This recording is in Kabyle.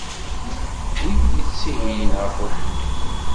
Wid yettihiyen ɣef uḥeqqi.